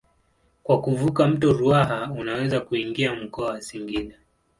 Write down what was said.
Kwa kuvuka mto Ruaha unaweza kuingia mkoa wa Singida.